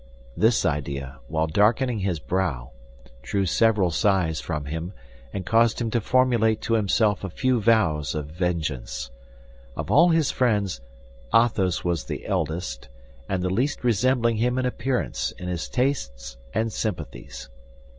This idea, while darkening his brow, drew several sighs from him, and caused him to formulate to himself a few vows of vengeance. Of all his friends, Athos was the eldest, and the least resembling him in appearance, in his tastes and sympathies.